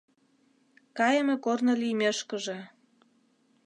Кайыме корно лиймешкыже